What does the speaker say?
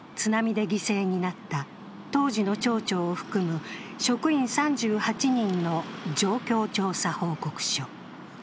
津波で犠牲になった当時の町長を含む職員３８人の状況調査報告書。